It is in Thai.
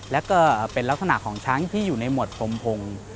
แล้วก็เป็นลักษณะของช้างที่อยู่ในหมวดพรมพงศ์